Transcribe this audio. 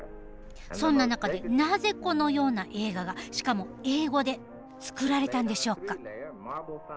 そんな中でなぜこのような映画がしかも英語でつくられたんでしょうか？